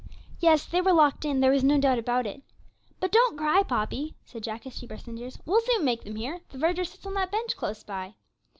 Yes, they were locked in, there was no doubt about it! 'But don't cry, Poppy,' said Jack, as she burst into tears, 'we'll soon make them hear; the verger sits on that bench close by.'